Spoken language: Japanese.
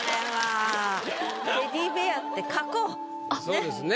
そうですね。